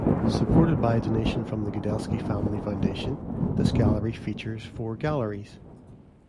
Supported by a donation from the Gudelsky Family Foundation, this gallery features four galleries.